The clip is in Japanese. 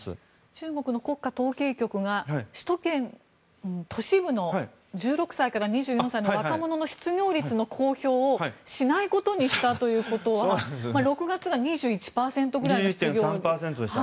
中国の国家統計局が首都圏、都市部の１６歳から２４歳の若者の失業率の公表をしないことにしたということで６月が２１％ぐらいでした。